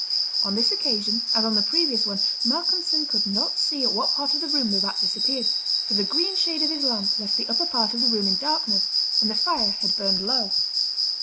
On this occasion, as on the previous one, Malcolmson could not see at what part of the room the rat disappeared, for the green shade of his lamp left the upper part of the room in darkness, and the fire had burned low.